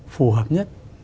phù hợp nhất